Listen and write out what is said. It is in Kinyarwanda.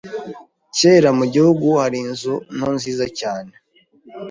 Kera, mu gihugu hari inzu nto nziza cyane.